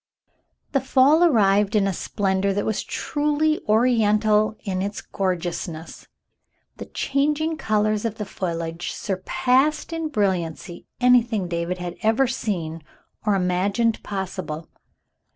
The fall arrived in a splendor that was truly oriental m its gorgeousness. The changing colors of the foliage surpassed in brilliancy anything David had ever seen or imagined possible.